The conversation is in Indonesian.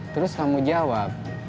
terus kamu jawab